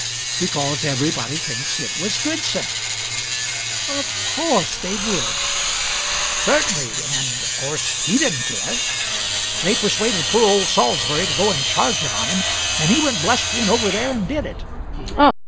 "Because everybody thinks it was Goodson." "Of course they would!" "Certainly. And of course he didn't care. They persuaded poor old Sawlsberry to go and charge it on him, and he went blustering over there and did it.